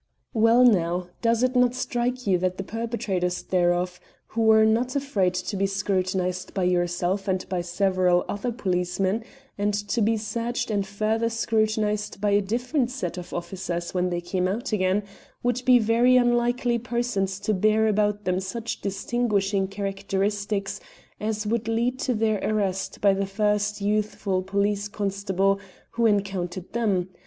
"Well, now, does it not strike you that the perpetrators thereof, who were not afraid to be scrutinized by yourself and by several other policemen, and to be searched and further scrutinized by a different set of officers when they came out again, would be very unlikely persons to bear about them such distinguishing characteristics as would lead to their arrest by the first youthful police constable who encountered them?